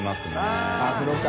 ◆舛風呂か。